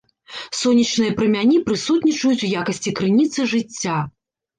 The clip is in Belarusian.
Сонечныя прамяні прысутнічаюць у якасці крыніцы жыцця.